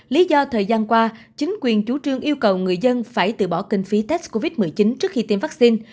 lý do thời gian qua chính quyền chủ trương yêu cầu người dân phải từ bỏ kinh phí test covid một mươi chín trước khi tiêm vaccine